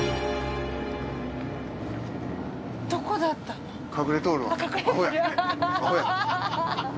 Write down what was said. どこだったの？